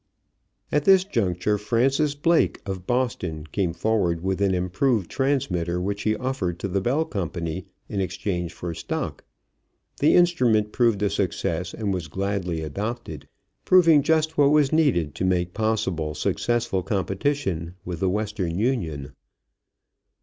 At this juncture Francis Blake, of Boston, came forward with an improved transmitter which he offered to the Bell company in exchange for stock. The instrument proved a success and was gladly adopted, proving just what was needed to make possible successful competition with the Western Union.